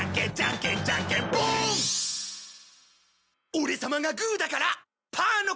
オレ様がグーだからパーの勝ち！